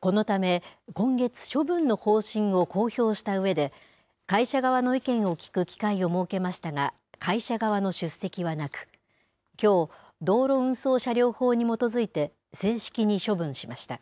このため、今月処分の方針を公表したうえで、会社側の意見を聞く機会を設けましたが、会社側の出席はなく、きょう、道路運送車両法に基づいて、正式に処分しました。